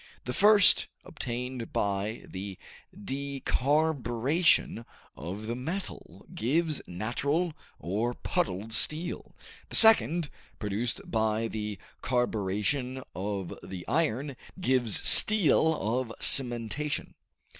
The first, obtained by the decarburation of the metal, gives natural or puddled steel; the second, produced by the carburation of the iron, gives steel of cementation.